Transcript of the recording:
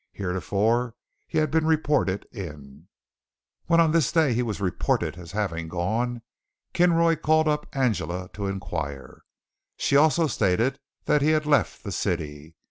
Heretofore he had been reported in. When on this day he was reported as having gone, Kinroy called up Angela to inquire. She also stated that he had left the city.